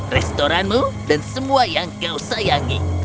restoranmu dan semua yang kau sayangi